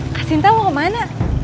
mbak sinta mau kemana